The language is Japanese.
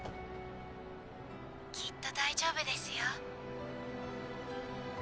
きっと大丈夫ですよ。